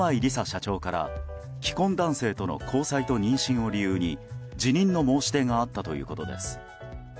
社長から既婚男性との交際と妊娠を理由に辞任の申し出があったということです。